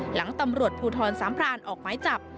หลังตำรวจภูทรสามพรานออกหมายจับ